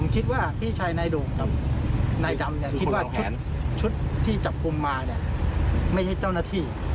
คิดว่าชุดที่จับปุ่มมาเนี่ยไม่ใช่เจ้าหน้าที่